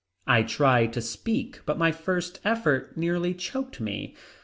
I tried to speak but my first effort nearly choked me.